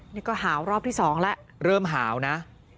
นี่ก็หาวรอบที่๒แล้วเริ่มหาวนะ